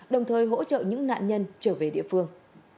đồng thời hỗ trợ những nạn nhân trở về địa phương